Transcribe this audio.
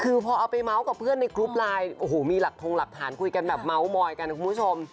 คือพอเอาไปเมาส์กับเพื่อนในกรุ๊ปไลน์โอ้โหมีหลักทงหลักฐานคุยกันแบบเมาส์มอยกันนะคุณผู้ชม